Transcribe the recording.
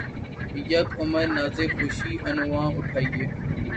یک عمر نازِ شوخیِ عنواں اٹھایئے